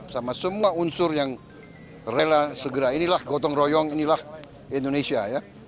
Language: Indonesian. sama semua unsur yang rela segera inilah gotong royong inilah indonesia ya